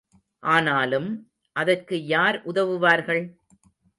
ஆனாலும், அதற்கு யார் உதவுவார்கள்?